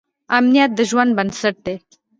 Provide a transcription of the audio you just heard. امنیت د ژوند بنسټ دی.